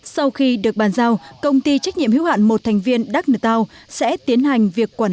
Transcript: sau khi được bàn giao công ty trách nhiệm hiếu hạn một thành viên đắk nờ tao sẽ tiến hành việc quản